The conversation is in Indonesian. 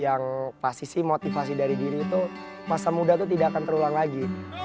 yang pasti sih motivasi dari diri itu masa muda itu tidak akan terulang lagi